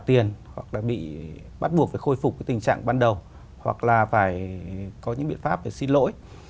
tiền hoặc là bị bắt buộc phải khôi phục cái tình trạng ban đầu hoặc là phải có những biện pháp để xin lỗi